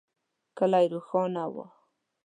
کلی روښانه و.